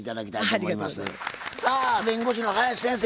さあ弁護士の林先生